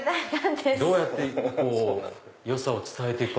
どうやってよさを伝えて行くか。